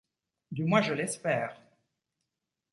Du moins, je l’espère.